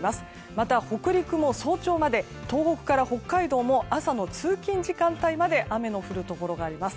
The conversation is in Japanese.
また、北陸も早朝まで東北から北海道も朝の通勤時間帯まで雨の降るところがあります。